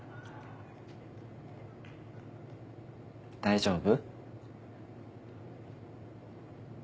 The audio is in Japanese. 大丈夫？